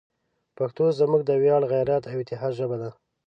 پښتو زموږ د ویاړ، غیرت، او اتحاد ژبه ده.